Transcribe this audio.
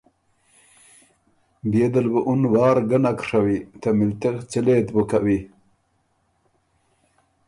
بيې دل بُو اُن وار ګۀ نک ڒوی، ته مِلتِغ څِلئ ت بُو کوی۔